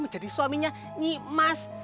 menjadi suaminya nimas